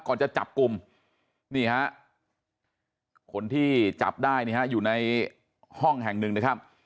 ก่อนจะจับกลุ่มนี่ฮะคนที่จับได้อยู่ในห้องแห่งหนึ่งนะครับ